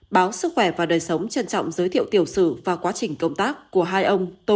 báo sức khỏe và đời sống trân trọng giới thiệu tiểu sử và quá trình công tác của hai ông